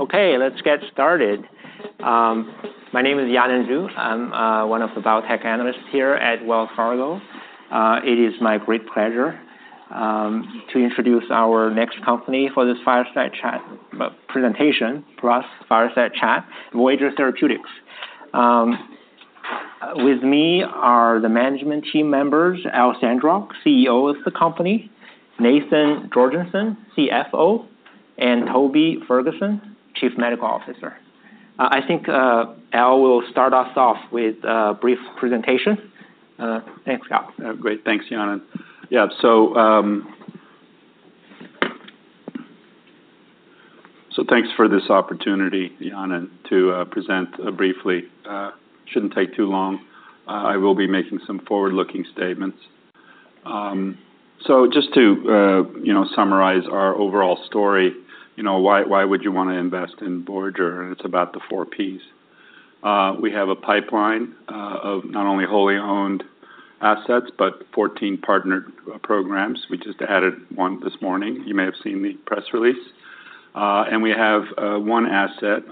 Okay, let's get started. My name is Yanan Zhu. I'm one of the biotech analysts here at Wells Fargo. It is my great pleasure to introduce our next company for this fireside chat, presentation for us, fireside chat, Voyager Therapeutics. With me are the management team members, Al Sandrock, CEO of the company, Nathan Jorgensen, CFO, and Toby Ferguson, Chief Medical Officer. I think Al will start us off with a brief presentation. Thanks, Al. Great. Thanks, Yanan. Yeah, so thanks for this opportunity, Yanan, to present briefly. Shouldn't take too long. I will be making some forward-looking statements. So just to you know, summarize our overall story, you know, why would you wanna invest in Voyager? It's about the four Ps. We have a pipeline of not only wholly owned assets, but 14 partnered programs. We just added one this morning. You may have seen the press release, and we have one asset,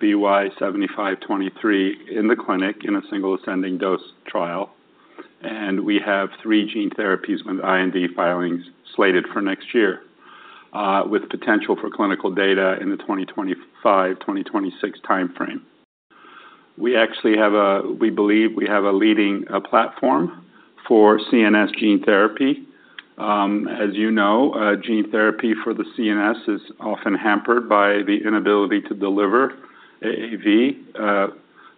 VY-7523, in the clinic in a single-ascending dose trial, and we have three gene therapies with IND filings slated for next year with potential for clinical data in the 2025, 2026 timeframe. We actually have. We believe we have a leading platform for CNS gene therapy. As you know, gene therapy for the CNS is often hampered by the inability to deliver AAV,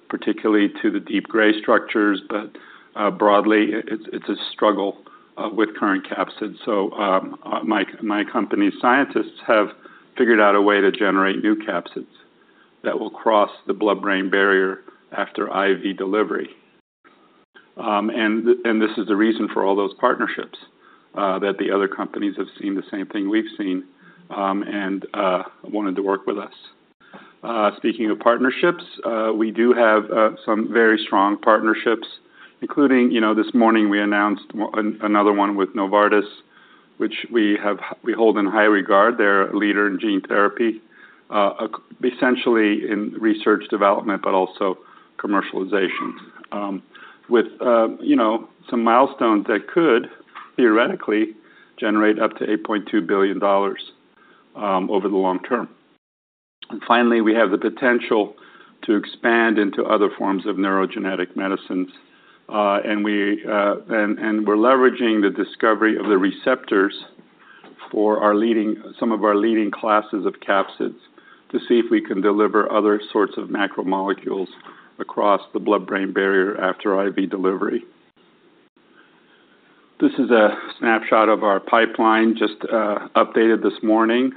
particularly to the deep gray structures, but broadly, it's a struggle with current capsids, so my company's scientists have figured out a way to generate new capsids that will cross the blood-brain barrier after IV delivery, and this is the reason for all those partnerships that the other companies have seen the same thing we've seen and wanted to work with us. Speaking of partnerships, we do have some very strong partnerships, including, you know, this morning we announced another one with Novartis, which we hold in high regard. They're a leader in gene therapy, essentially in research development, but also commercialization. with, you know, some milestones that could theoretically generate up to $8.2 billion over the long term, and finally, we have the potential to expand into other forms of neurogenetic medicines, and we're leveraging the discovery of the receptors for our leading, some of our leading classes of capsids, to see if we can deliver other sorts of macromolecules across the blood-brain barrier after IV delivery. This is a snapshot of our pipeline, just updated this morning.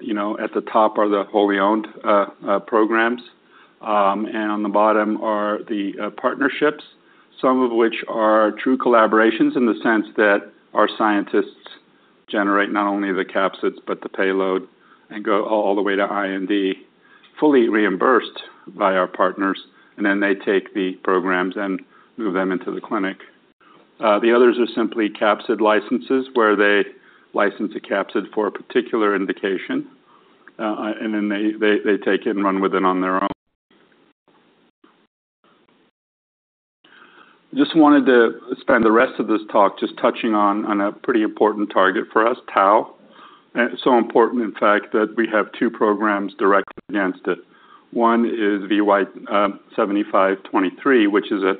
You know, at the top are the wholly owned programs, and on the bottom are the partnerships, some of which are true collaborations in the sense that our scientists generate not only the capsids, but the payload, and go all the way to IND, fully reimbursed by our partners, and then they take the programs and move them into the clinic. The others are simply capsid licenses, where they license a capsid for a particular indication, and then they take it and run with it on their own. Just wanted to spend the rest of this talk just touching on a pretty important target for us, tau, and so important, in fact, that we have two programs directly against it. One is VY-7523, which is a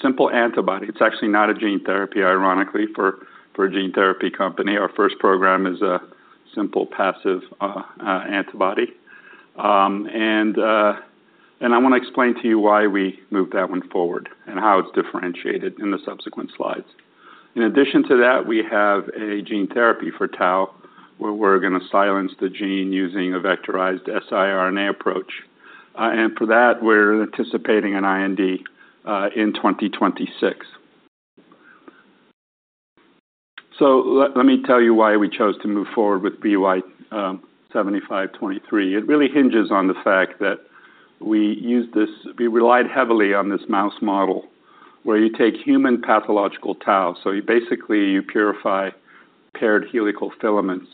simple antibody. It's actually not a gene therapy, ironically, for a gene therapy company. Our first program is a simple passive antibody, and I wanna explain to you why we moved that one forward and how it's differentiated in the subsequent slides. In addition to that, we have a gene therapy for tau, where we're gonna silence the gene using a vectorized siRNA approach, and for that, we're anticipating an IND in 2026. So let me tell you why we chose to move forward with VY-7523. It really hinges on the fact that we relied heavily on this mouse model, where you take human pathological tau, so you basically, you purify paired helical filaments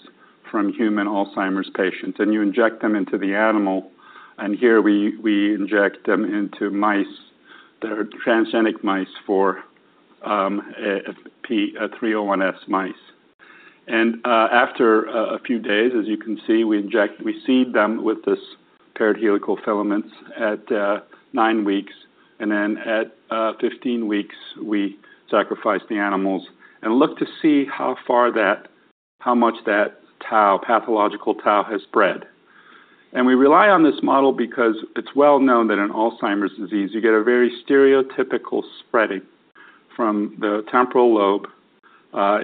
from human Alzheimer's patients, and you inject them into the animal, and here we inject them into mice that are transgenic mice for P301S mice. After a few days, as you can see, we seed them with this paired helical filaments at 9 weeks, and then at 15 weeks, we sacrifice the animals and look to see how far that, how much that tau, pathological tau, has spread. We rely on this model because it's well known that in Alzheimer's disease, you get a very stereotypical spreading from the temporal lobe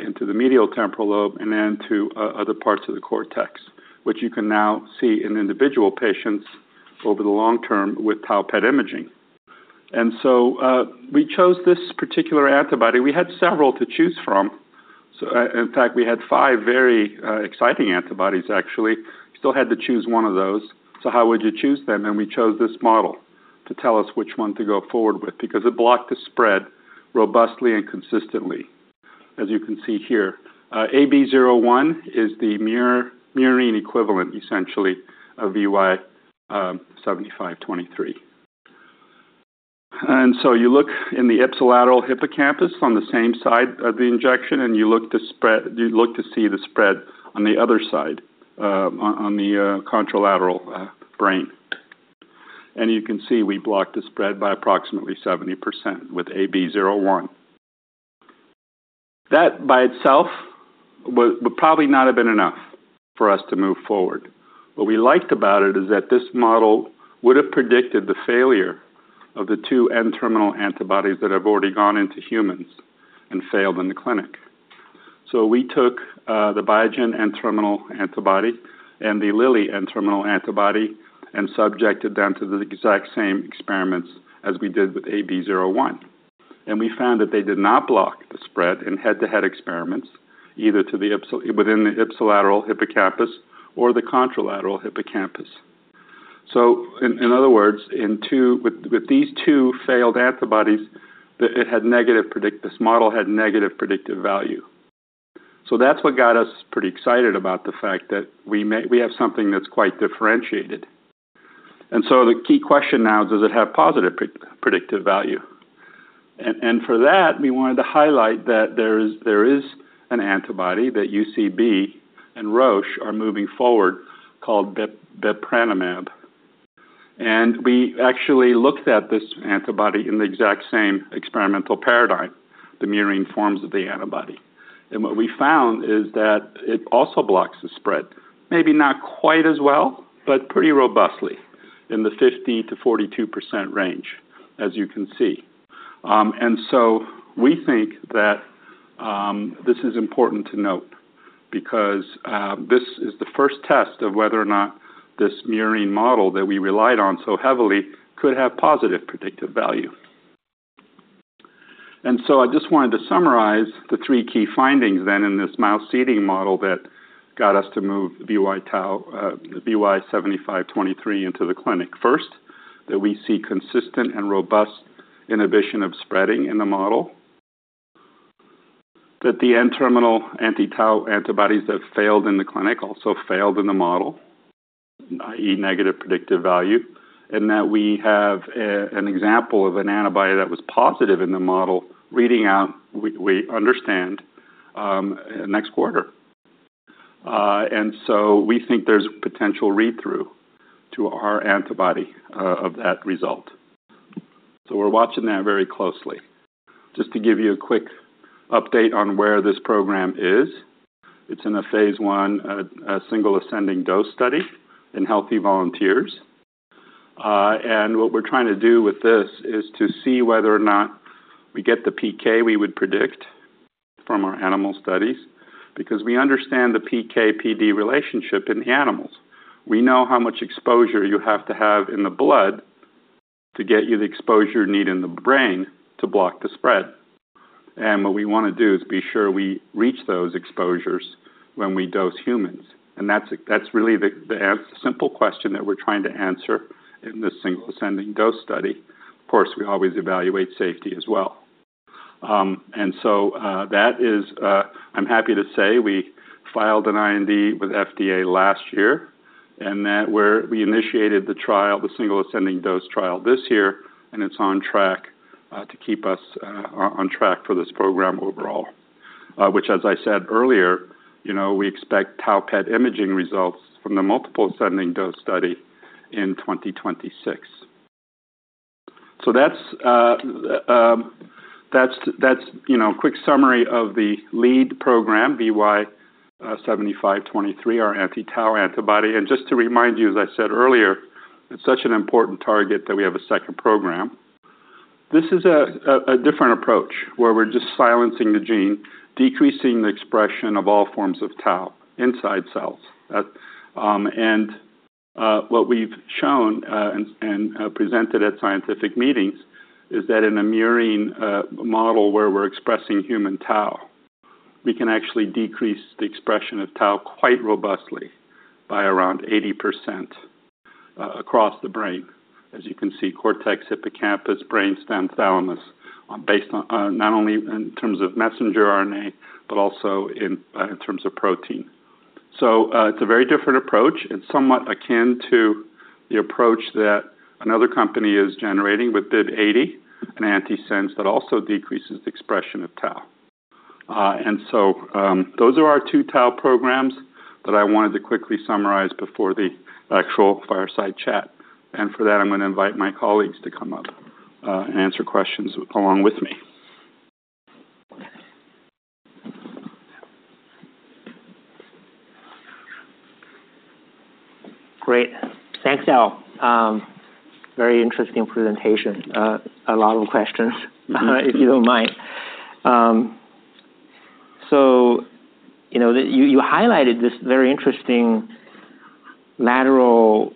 into the medial temporal lobe, and then to other parts of the cortex, which you can now see in individual patients over the long term with tau PET imaging. We chose this particular antibody. We had several to choose from. In fact, we had five very exciting antibodies, actually. Still had to choose one of those. How would you choose them? We chose this model to tell us which one to go forward with, because it blocked the spread robustly and consistently, as you can see here. Ab01 is the murine equivalent, essentially, of VY-7523. And so you look in the ipsilateral hippocampus on the same side of the injection, and you look to see the spread on the other side, on the contralateral brain. And you can see we blocked the spread by approximately 70% with Ab01. That by itself would probably not have been enough for us to move forward. What we liked about it is that this model would have predicted the failure of the two N-terminal antibodies that have already gone into humans and failed in the clinic. So we took the Biogen N-terminal antibody and the Lilly N-terminal antibody, and subjected them to the exact same experiments as we did with Ab01. And we found that they did not block the spread in head-to-head experiments, either within the ipsilateral hippocampus or the contralateral hippocampus. So in other words, with these two failed antibodies, that this model had negative predictive value. That's what got us pretty excited about the fact that we may. We have something that's quite differentiated. The key question now: does it have positive predictive value? For that, we wanted to highlight that there is an antibody that UCB and Roche are moving forward, called bepranemab. We actually looked at this antibody in the exact same experimental paradigm, the murine forms of the antibody. What we found is that it also blocks the spread, maybe not quite as well, but pretty robustly, in the 50%-42% range, as you can see. And so we think that this is important to note because this is the first test of whether or not this murine model that we relied on so heavily could have positive predictive value. And so I just wanted to summarize the three key findings then in this mouse seeding model that got us to move VY-Tau, VY-7523 into the clinic. First, that we see consistent and robust inhibition of spreading in the model. That the N-terminal anti-tau antibodies that failed in the clinic also failed in the model, i.e., negative predictive value, and that we have an example of an antibody that was positive in the model, reading out, we understand next quarter. And so we think there's potential read-through to our antibody of that result. So we're watching that very closely. Just to give you a quick update on where this program is. It's in a phase I, single-ascending dose study in healthy volunteers. And what we're trying to do with this is to see whether or not we get the PK we would predict from our animal studies, because we understand the PK/PD relationship in the animals. We know how much exposure you have to have in the blood to get you the exposure you need in the brain to block the spread. And what we wanna do is be sure we reach those exposures when we dose humans. And that's really the simple question that we're trying to answer in this single-ascending dose study. Of course, we always evaluate safety as well. And so, that is, I'm happy to say we filed an IND with FDA last year, and that we initiated the trial, the single-ascending dose trial this year, and it's on track to keep us on track for this program overall. Which, as I said earlier, you know, we expect tau PET imaging results from the multiple ascending dose study in 2026. So that's a quick summary of the lead program, VY-7523, our anti-tau antibody. And just to remind you, as I said earlier, it's such an important target that we have a second program. This is a different approach, where we're just silencing the gene, decreasing the expression of all forms of tau inside cells. What we've shown and presented at scientific meetings is that in a murine model where we're expressing human tau, we can actually decrease the expression of tau quite robustly by around 80% across the brain. As you can see, cortex, hippocampus, brainstem, thalamus, based on not only in terms of messenger RNA, but also in terms of protein. So, it's a very different approach. It's somewhat akin to the approach that another company is generating with BIIB080, an antisense that also decreases the expression of tau. So, those are our two tau programs that I wanted to quickly summarize before the actual fireside chat. And for that, I'm gonna invite my colleagues to come up and answer questions along with me. Great. Thanks, Al. Very interesting presentation. A lot of questions, if you don't mind. So you know, that you highlighted this very interesting read-through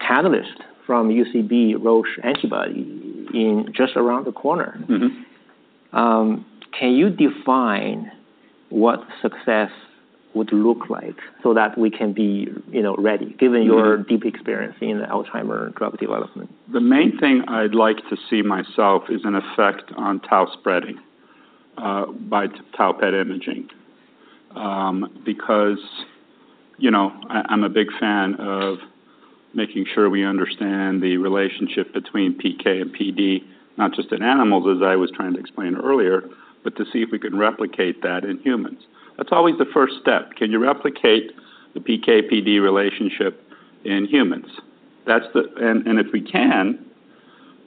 catalyst from UCB/Roche antibody just around the corner. Mm-hmm. Can you define what success would look like so that we can be, you know, ready, given your deep experience in the Alzheimer's drug development? The main thing I'd like to see myself is an effect on tau spreading by tau PET imaging. Because, you know, I, I'm a big fan of making sure we understand the relationship between PK and PD, not just in animals, as I was trying to explain earlier, but to see if we can replicate that in humans. That's always the first step. Can you replicate the PK/PD relationship in humans? That's the and if we can,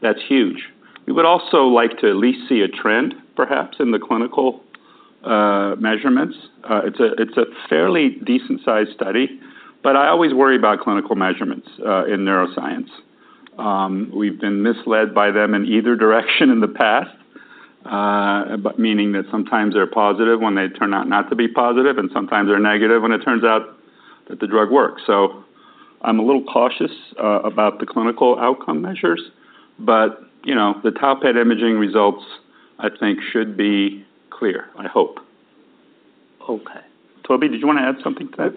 that's huge. We would also like to at least see a trend, perhaps, in the clinical measurements. It's a fairly decent-sized study, but I always worry about clinical measurements in neuroscience. We've been misled by them in either direction in the past, but meaning that sometimes they're positive when they turn out not to be positive, and sometimes they're negative when it turns out that the drug works. So I'm a little cautious about the clinical outcome measures, but, you know, the tau PET imaging results, I think, should be clear, I hope. Okay. Toby, did you want to add something to that?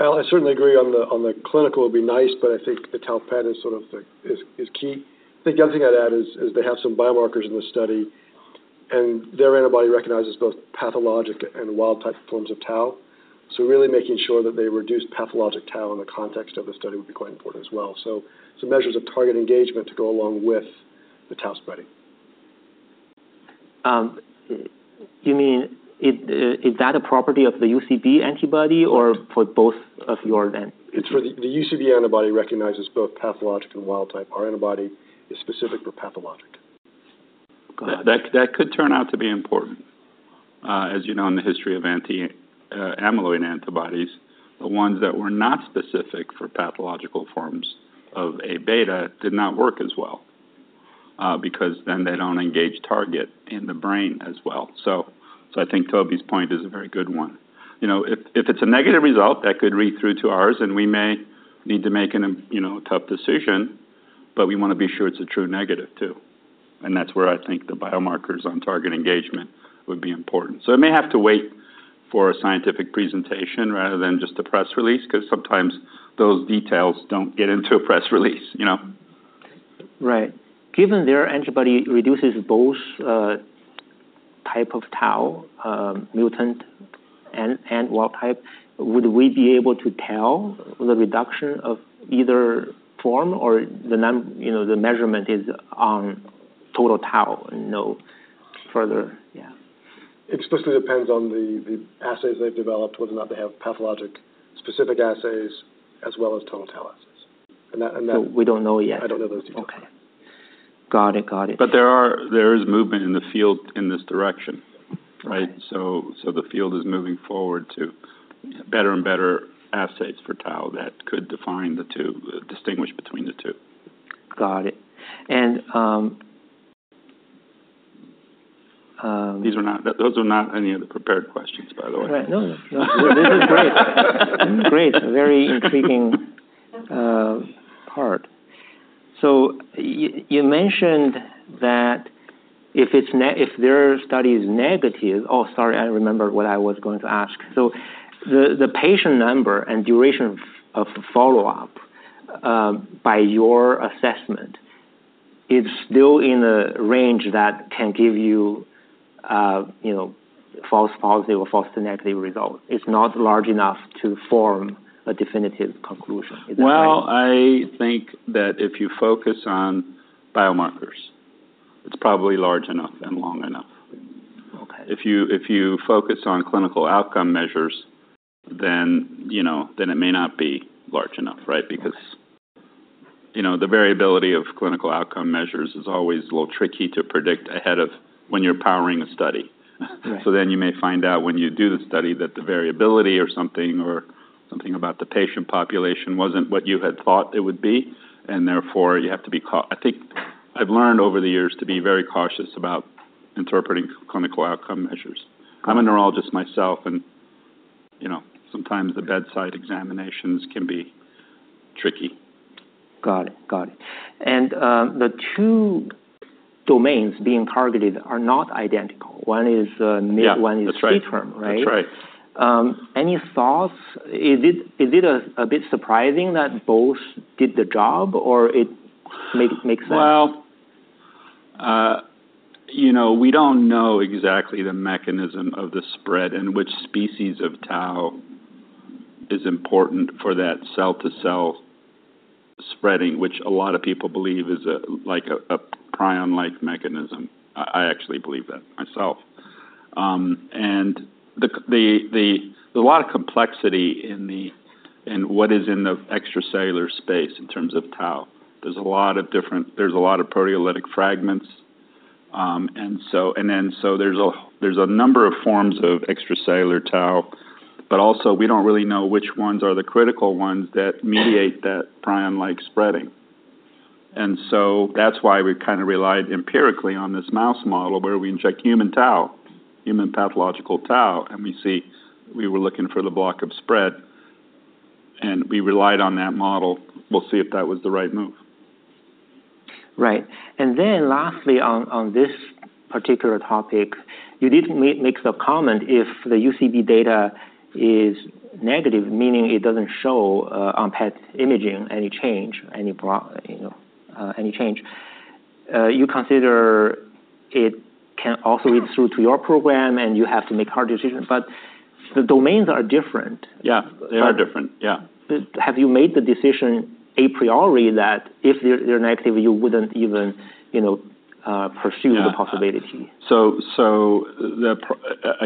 Al, I certainly agree on the clinical would be nice, but I think the tau PET is sort of the key. I think the other thing I'd add is they have some biomarkers in the study, and their antibody recognizes both pathologic and wild-type forms of tau. So really making sure that they reduce pathologic tau in the context of the study would be quite important as well. So some measures of target engagement to go along with the tau spreading. You mean, is that a property of the UCB antibody or for both of yours then? The UCB antibody recognizes both pathologic and wild type. Our antibody is specific for pathologic. Go ahead. That could turn out to be important. As you know, in the history of anti-amyloid antibodies, the ones that were not specific for pathological forms of A-beta did not work as well, because then they don't engage target in the brain as well. So I think Toby's point is a very good one. You know, if it's a negative result, that could read through to ours, and we may need to make an, you know, a tough decision, but we want to be sure it's a true negative, too. And that's where I think the biomarkers on target engagement would be important. So I may have to wait for a scientific presentation rather than just a press release, because sometimes those details don't get into a press release, you know? Right. Given their antibody reduces both type of tau, mutant and wild type, would we be able to tell the reduction of either form, or you know, the measurement is on total tau and no further? Yeah. It specifically depends on the assays they've developed, whether or not they have pathologic-specific assays as well as total tau assays. And that. We don't know yet. I don't know those details. Okay. Got it, got it. But there is movement in the field in this direction, right? Okay. The field is moving forward to better and better assays for tau that could define the two, distinguish between the two. Got it. And, Those are not any of the prepared questions, by the way. Right. No, no, no. This is great. Great. Very intriguing part. So you mentioned that if it's if their study is negative... Oh, sorry, I remember what I was going to ask. So the patient number and duration of the follow-up, by your assessment, it's still in a range that can give you, you know, false positive or false negative result. It's not large enough to form a definitive conclusion. Is that right? I think that if you focus on biomarkers, it's probably large enough and long enough. Okay. If you focus on clinical outcome measures, then, you know, it may not be large enough, right? Okay. Because, you know, the variability of clinical outcome measures is always a little tricky to predict ahead of when you're powering a study. Right. So then you may find out when you do the study that the variability or something, or something about the patient population wasn't what you had thought it would be, and therefore, you have to be, I think I've learned over the years to be very cautious about interpreting clinical outcome measures. I'm a neurologist myself, and, you know, sometimes the bedside examinations can be tricky. Got it. Got it. And, the two domains being targeted are not identical. One is- Yeah. One is C-term, right? That's right. Any thoughts? Is it a bit surprising that both did the job or it makes sense? You know, we don't know exactly the mechanism of the spread in which species of tau is important for that cell-to-cell spreading, which a lot of people believe is like a prion-like mechanism. I actually believe that myself. There's a lot of complexity in what is in the extracellular space in terms of tau. There's a lot of proteolytic fragments, and there's a number of forms of extracellular tau, but also we don't really know which ones are the critical ones that mediate that prion-like spreading. That's why we've kind of relied empirically on this mouse model, where we inject human tau, human pathological tau, and we see. We were looking for the block of spread, and we relied on that model. We'll see if that was the right move.... Right. And then lastly, on this particular topic, you did make the comment, if the UCB data is negative, meaning it doesn't show on PET imaging any change, you consider it can also read through to your program, and you have to make hard decisions, but the domains are different. Yeah, they are different. Yeah. Have you made the decision a priori, that if they're negative, you wouldn't even, you know, pursue- Yeah -the possibility?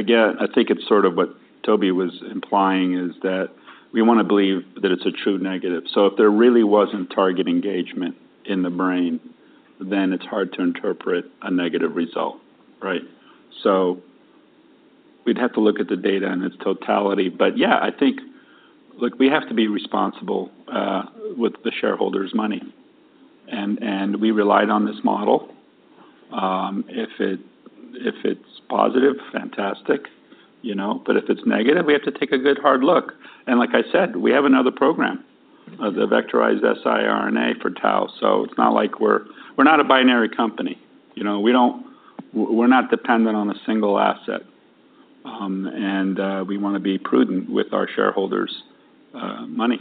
Again, I think it's sort of what Toby was implying, is that we wanna believe that it's a true negative. So if there really wasn't target engagement in the brain, then it's hard to interpret a negative result, right? So we'd have to look at the data in its totality. But yeah, I think look, we have to be responsible with the shareholders' money, and we relied on this model. If it's positive, fantastic, you know. But if it's negative, we have to take a good, hard look. And like I said, we have another program, the vectorized siRNA for tau. So it's not like we're not a binary company. You know, we don't, we're not dependent on a single asset, and we wanna be prudent with our shareholders' money.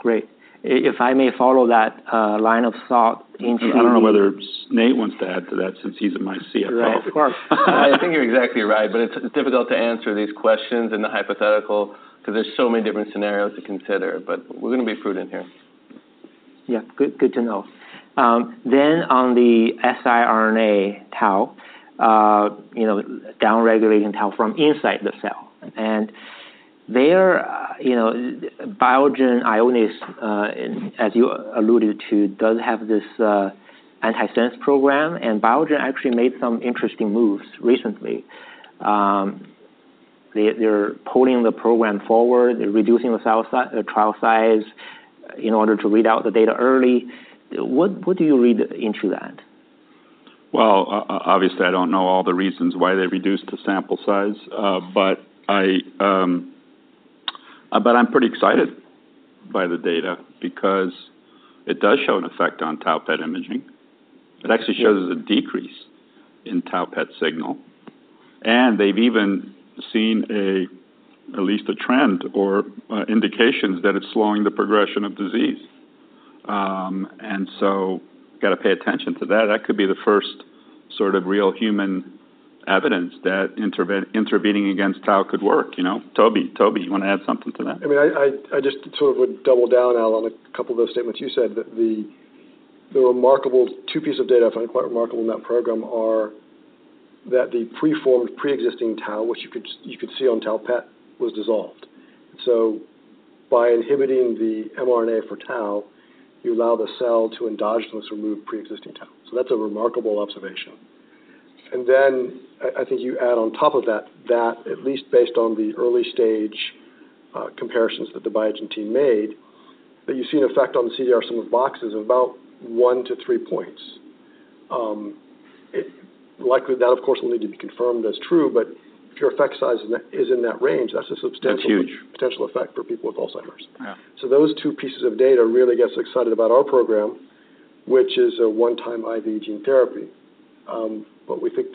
Great. If I may follow that, line of thought in terms- I don't know whether Nate wants to add to that, since he's my CFO. Right, of course. I think you're exactly right, but it's difficult to answer these questions in the hypothetical, 'cause there's so many different scenarios to consider, but we're gonna be prudent here. Yeah, good, good to know. Then on the siRNA tau, you know, down-regulating tau from inside the cell, and there, you know, Biogen, Ionis, as you alluded to, does have this antisense program, and Biogen actually made some interesting moves recently. They, they're pulling the program forward. They're reducing the trial size in order to read out the data early. What do you read into that? Well, obviously, I don't know all the reasons why they reduced the sample size, but I'm pretty excited by the data because it does show an effect on tau PET imaging. It actually shows a decrease in tau PET signal, and they've even seen at least a trend or indications that it's slowing the progression of disease. And so gotta pay attention to that. That could be the first sort of real human evidence that intervening against tau could work, you know. Toby, you want to add something to that? I mean, I just sort of would double down, Al, on a couple of those statements you said, that the remarkable two pieces of data I find quite remarkable in that program are that the preformed, pre-existing tau, which you could see on tau PET, was dissolved. So by inhibiting the mRNA for tau, you allow the cell to endogenously remove pre-existing tau. So that's a remarkable observation. And then I think you add on top of that, that at least based on the early stage comparisons that the Biogen team made, that you see an effect on the CDR Sum of Boxes of about one to three points. It likely, that, of course, will need to be confirmed as true, but if your effect size in that is in that range, that's a substantial- That's huge... potential effect for people with Alzheimer's. Yeah. So those two pieces of data really gets excited about our program, which is a one-time IV gene therapy. But we think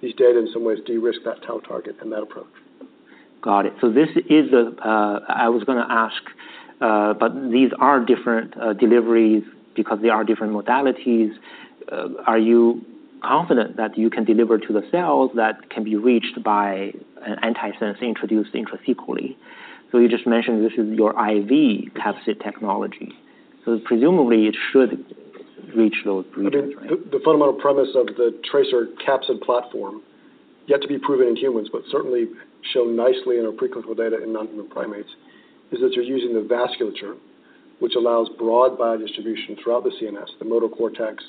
these data in some ways de-risk that tau target and that approach. Got it. So this is a... I was gonna ask, but these are different deliveries because they are different modalities. Are you confident that you can deliver to the cells that can be reached by an antisense introduced intracranially? So you just mentioned this is your IV capsid technology, so presumably, it should reach those neurons, right? The fundamental premise of the TRACER capsid platform, yet to be proven in humans, but certainly shown nicely in our preclinical data in non-human primates, is that you're using the vasculature, which allows broad biodistribution throughout the CNS, the motor cortex,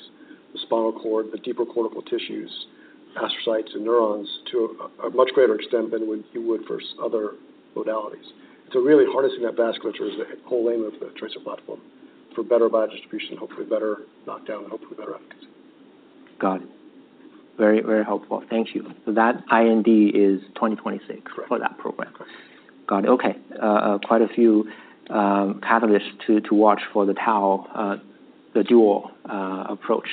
the spinal cord, the deeper cortical tissues, astrocytes and neurons, to a much greater extent than you would for other modalities. So really harnessing that vasculature is the whole aim of the TRACER platform for better biodistribution, hopefully better knockdown, and hopefully better efficacy. Got it. Very, very helpful. Thank you. So that IND is 2026- Correct. for that program? Correct. Got it, okay. Quite a few catalysts to watch for the tau, the dual approach.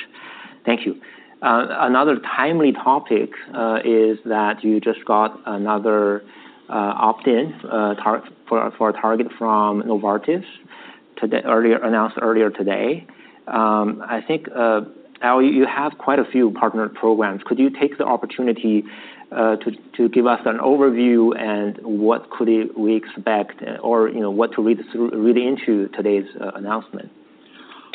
Thank you. Another timely topic is that you just got another opt-in for a target from Novartis today, announced earlier today. I think, Al, you have quite a few partner programs. Could you take the opportunity to give us an overview and what could we expect, or, you know, what to read into today's announcement?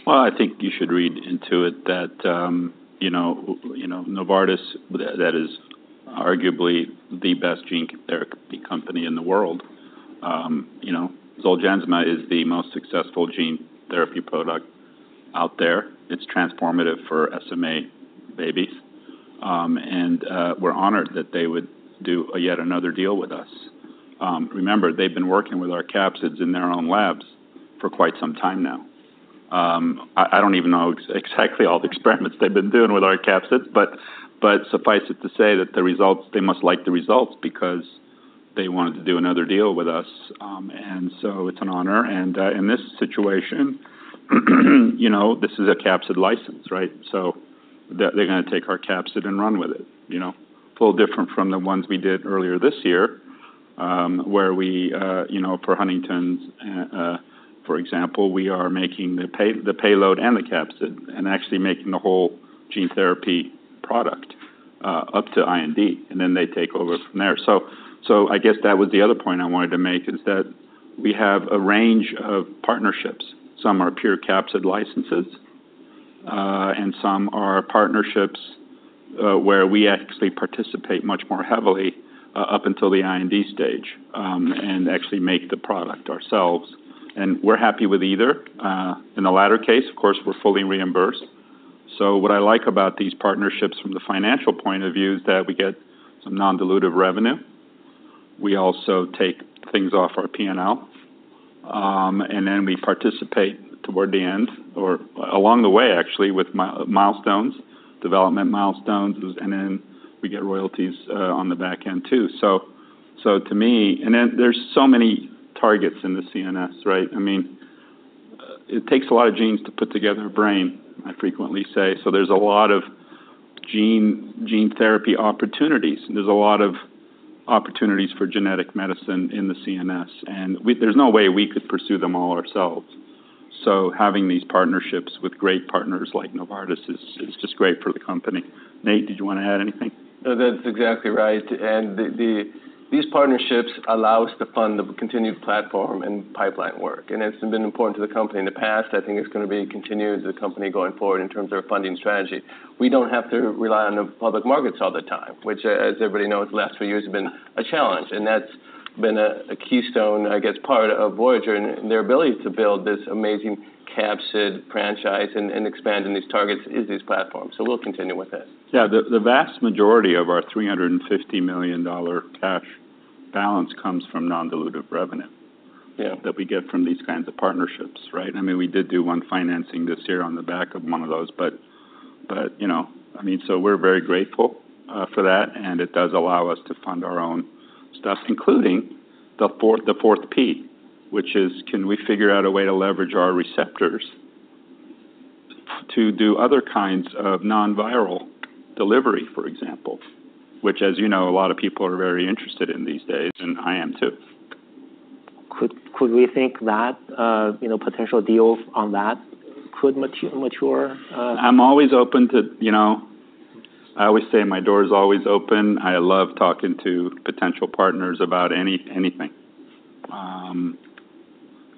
I think you should read into it that you know, Novartis, that is arguably the best gene therapy company in the world. You know, Zolgensma is the most successful gene therapy product out there. It's transformative for SMA babies. We're honored that they would do yet another deal with us. Remember, they've been working with our capsids in their own labs for quite some time now. I don't even know exactly all the experiments they've been doing with our capsids, but suffice it to say that the results, they must like the results, because they wanted to do another deal with us. It's an honor, and in this situation, you know, this is a capsid license, right? So they're gonna take our capsid and run with it, you know. A little different from the ones we did earlier this year, where we, you know, for Huntington's, for example, we are making the payload and the capsid, and actually making the whole gene therapy product, up to IND, and then they take over from there. So, so I guess that was the other point I wanted to make, is that we have a range of partnerships. Some are pure capsid licenses, and some are partnerships, where we actually participate much more heavily, up until the IND stage, and actually make the product ourselves, and we're happy with either. In the latter case, of course, we're fully reimbursed. So what I like about these partnerships from the financial point of view, is that we get some non-dilutive revenue. We also take things off our P&L, and then we participate toward the end, or along the way, actually, with milestones, development milestones, and then we get royalties on the back end, too. So, to me... And then there's so many targets in the CNS, right? I mean, it takes a lot of genes to put together a brain, I frequently say, so there's a lot of gene therapy opportunities. There's a lot of opportunities for genetic medicine in the CNS, and there's no way we could pursue them all ourselves. So having these partnerships with great partners like Novartis is just great for the company. Nate, did you want to add anything? No, that's exactly right. And these partnerships allow us to fund the continued platform and pipeline work, and it's been important to the company in the past. I think it's gonna be continued to the company going forward in terms of their funding strategy. We don't have to rely on the public markets all the time, which, as everybody knows, the last few years have been a challenge, and that's been a keystone, I guess, part of Voyager and their ability to build this amazing capsid franchise and expanding these targets is this platform. So we'll continue with it. Yeah, the vast majority of our $350 million cash balance comes from non-dilutive revenue- Yeah... that we get from these kinds of partnerships, right? I mean, we did do one financing this year on the back of one of those, but, you know, I mean, so we're very grateful for that, and it does allow us to fund our own stuff, including the fourth P, which is, can we figure out a way to leverage our receptors to do other kinds of non-viral delivery, for example? Which, as you know, a lot of people are very interested in these days, and I am, too. Could we think that, you know, potential deals on that could mature? I'm always open to, you know... I always say my door is always open. I love talking to potential partners about anything.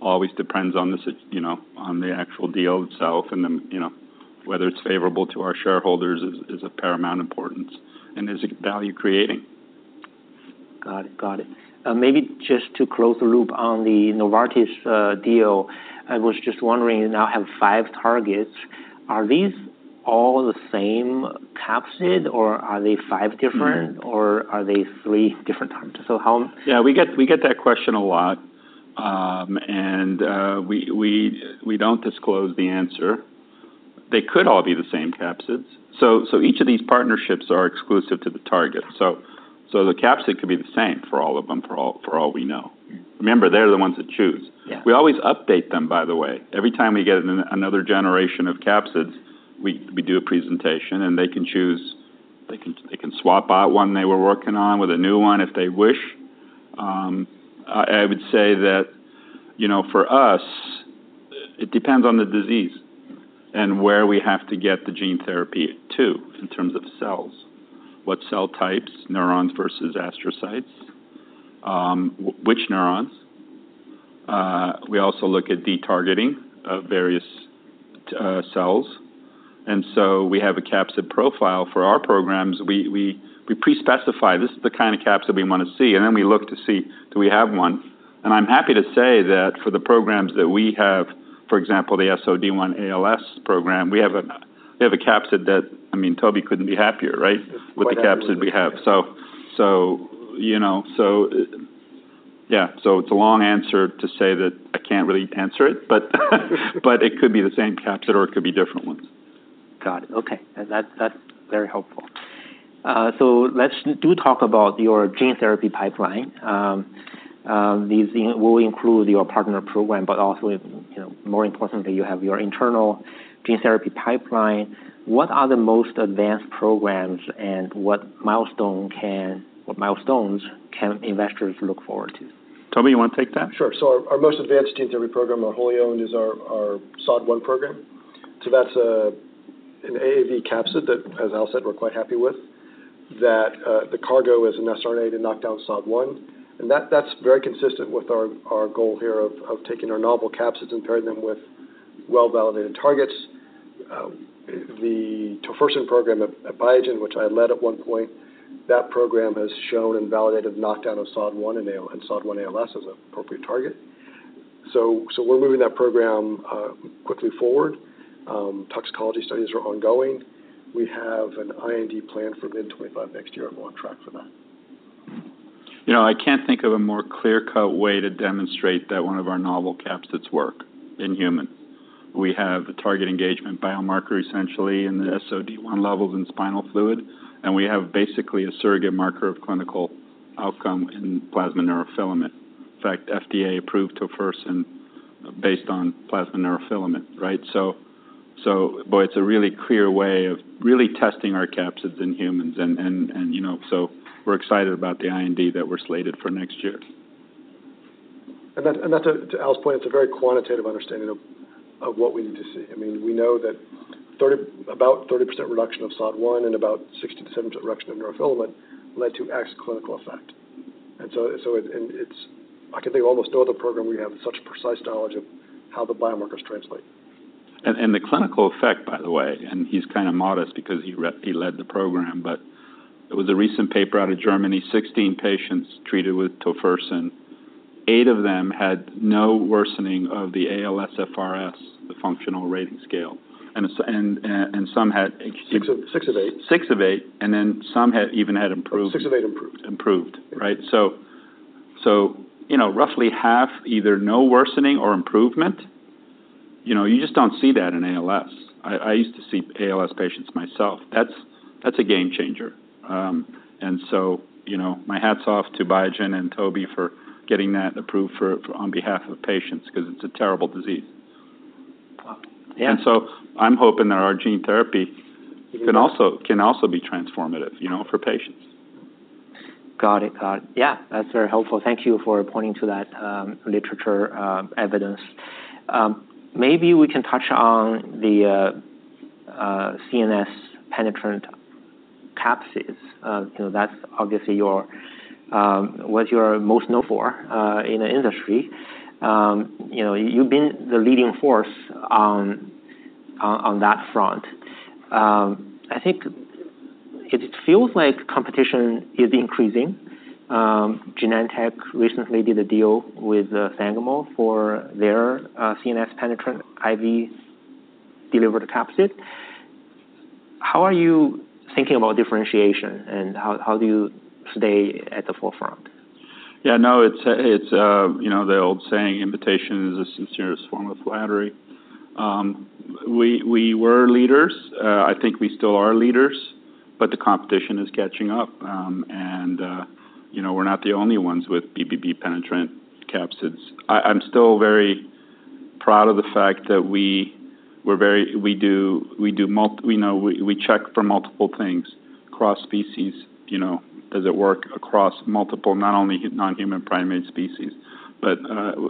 Always depends on you know, on the actual deal itself and then, you know, whether it's favorable to our shareholders is of paramount importance, and is it value creating? Got it. Got it. Maybe just to close the loop on the Novartis deal, I was just wondering, you now have five targets. Are these all the same capsid, or are they five different- Mm-hmm. or are they three different types? So how- Yeah, we get that question a lot, and we don't disclose the answer. They could all be the same capsids. So the capsid could be the same for all of them, for all we know. Remember, they're the ones that choose. Yeah. We always update them, by the way. Every time we get another generation of capsids, we do a presentation, and they can choose, they can swap out one they were working on with a new one, if they wish. I would say that, you know, for us, it depends on the disease and where we have to get the gene therapy to, in terms of cells. What cell types, neurons versus astrocytes, which neurons? We also look at the targeting of various cells, and so we have a capsid profile for our programs. We pre-specify this is the kind of capsid we want to see, and then we look to see, do we have one? I'm happy to say that for the programs that we have, for example, the SOD1 ALS program, we have a capsid that, I mean, Toby couldn't be happier, right? Quite happy. With the capsid we have. So, you know, so, yeah, so it's a long answer to say that I can't really answer it, but it could be the same capsid or it could be different ones. Got it. Okay. That, that's very helpful. So let's do talk about your gene therapy pipeline. These will include your partner program, but also, you know, more importantly, you have your internal gene therapy pipeline. What are the most advanced programs, and what milestones can investors look forward to? Toby, you want to take that? Sure. So our most advanced gene therapy program, our wholly owned, is our SOD1 program. So that's an AAV capsid that, as Al said, we're quite happy with. That the cargo is an siRNA to knock down SOD1, and that's very consistent with our goal here of taking our novel capsids and pairing them with well-validated targets. The tofersen program at Biogen, which I led at one point, that program has shown and validated knockdown of SOD1 and SOD1 ALS as an appropriate target. So we're moving that program quickly forward. Toxicology studies are ongoing. We have an IND plan for mid 2025, and we're on track for that. You know, I can't think of a more clear-cut way to demonstrate that one of our novel capsids work in humans. We have a target engagement biomarker essentially in the SOD1 levels in spinal fluid, and we have basically a surrogate marker of clinical outcome in plasma neurofilament. In fact, FDA approved tofersen based on plasma neurofilament, right? So, boy, it's a really clear way of really testing our capsids in humans. And, you know, so we're excited about the IND that we're slated for next year. That's to Al's point. It's a very quantitative understanding of what we need to see. I mean, we know that about 30% reduction of SOD1 and about 60%-70% reduction of neurofilament led to a clinical effect. And so it's. I can think of almost no other program we have such precise knowledge of how the biomarkers translate. The clinical effect, by the way, and he's kind of modest because he led the program, but there was a recent paper out of Germany, 16 patients treated with tofersen. Eight of them had no worsening of the ALSFRS, the functional rating scale. And some had six- Six of eight. Six of eight, and then some had even improved. Six of eight improved. Improved, right? So, you know, roughly half either no worsening or improvement, you know, you just don't see that in ALS. I used to see ALS patients myself. That's a game changer. And so, you know, my hat's off to Biogen and Toby for getting that approved for, on behalf of patients, 'cause it's a terrible disease. Wow! I'm hoping that our gene therapy can also be transformative, you know, for patients. Got it. Yeah, that's very helpful. Thank you for pointing to that, literature, evidence. Maybe we can touch on the, CNS penetrant capsids. So that's obviously your, what you're most known for, in the industry. You know, you've been the leading force on that front. I think it feels like competition is increasing. Genentech recently did a deal with, Sangamo for their, CNS penetrant IV-delivered capsid. How are you thinking about differentiation, and how do you stay at the forefront? Yeah, no, it's you know, the old saying, Imitation is the sincerest form of flattery. We were leaders. I think we still are leaders, but the competition is catching up. And you know, we're not the only ones with BBB penetrant capsids. I'm still very proud of the fact that we check for multiple things cross-species, you know. Does it work across multiple, not only non-human primate species, but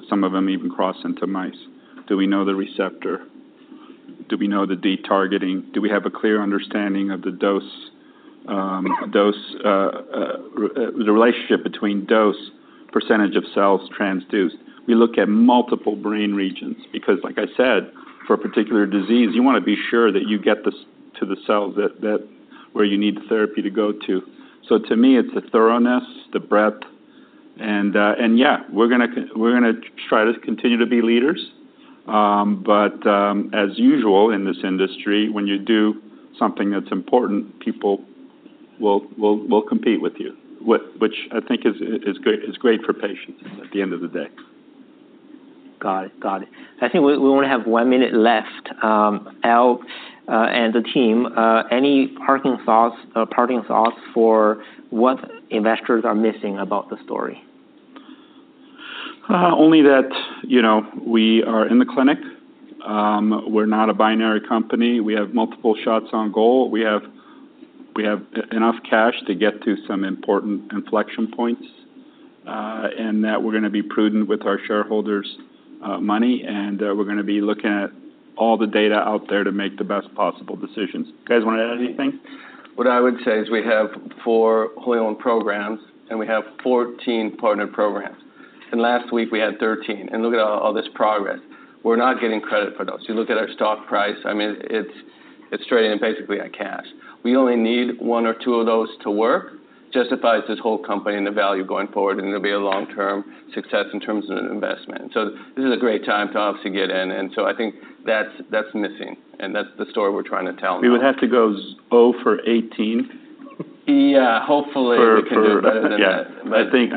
some of them even cross into mice? Do we know the receptor? Do we know the de-targeting? Do we have a clear understanding of the dose, the relationship between dose, percentage of cells transduced? We look at multiple brain regions, because like I said, for a particular disease, you wanna be sure that you get this to the cells that where you need the therapy to go to. So to me, it's the thoroughness, the breadth, and yeah, we're gonna try to continue to be leaders. But as usual, in this industry, when you do something that's important, people will compete with you. Which I think is great for patients at the end of the day. Got it. Got it. I think we only have one minute left. Al, and the team, any parting thoughts for what investors are missing about the story? Only that, you know, we are in the clinic. We're not a binary company. We have enough cash to get to some important inflection points, and that we're gonna be prudent with our shareholders' money, and we're gonna be looking at all the data out there to make the best possible decisions. You guys wanna add anything? What I would say is we have four wholly owned programs, and we have fourteen partnered programs, and last week we had 13, and look at all this progress. We're not getting credit for those. You look at our stock price, I mean, it's trading basically at cash. We only need one or two of those to work, justifies this whole company and the value going forward, and it'll be a long-term success in terms of an investment, so this is a great time to obviously get in, and so I think that's missing, and that's the story we're trying to tell. We would have to go oh for 18? Yeah, hopefully, we can do better than that. Yeah, I think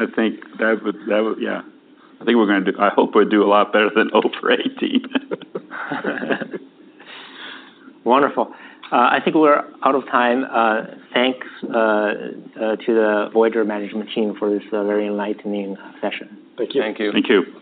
that would. Yeah. I think we're gonna do. I hope we'll do a lot better than oh for 18. Wonderful. I think we're out of time. Thanks to the Voyager management team for this very enlightening session. Thank you. Thank you. Thank you.